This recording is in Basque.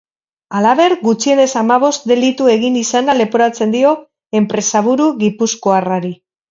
Halaber, gutxienez hamabost delitu egin izana leporatzen dio enpresaburu gipuzkoarrari.